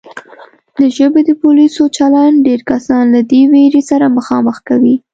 د ژبې د پولیسو چلند ډېر کسان له دې وېرې سره مخامخ کوي